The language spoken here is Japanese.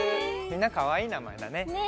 みんなかわいいなまえだね。